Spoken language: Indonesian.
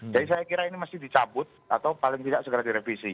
jadi saya kira ini mesti dicabut atau paling tidak segera direvisi